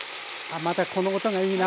またこの音がいいな。